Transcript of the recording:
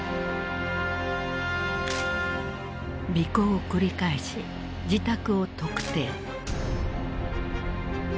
尾行を繰り返し自宅を特定。